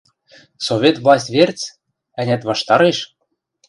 – Совет власть верц? ӓнят, ваштареш?